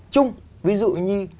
chung ví dụ như